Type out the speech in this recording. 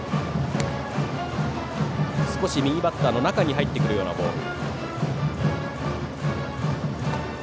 少し右バッターの中に入ってくるようなボール。